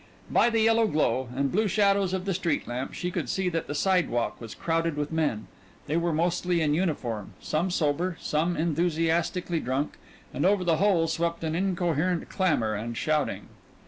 By the yellow glow and blue shadows of the street lamp she could see that the sidewalk was crowded with men. They were mostly in uniform, some sober, some enthusiastically drunk, and over the whole swept an incoherent clamor and shouting.